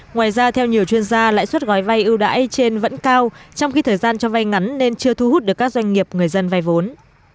ngoài ra theo nhiều chuyên gia lãi suất gói vay ưu đãi trên vẫn cao trong khi thời gian cho vay ngắn nên chưa thu hút được các doanh nghiệp người dân vay vốn